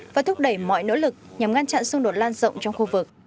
và thúc đẩy mọi nỗ lực nhằm ngăn chặn xung đột lan rộng trong khu vực